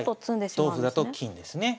同歩だと金ですね。